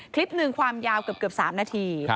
คลิปหนึ่งความยาวเกือบ๓นาที